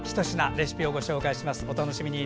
レシピをご紹介します。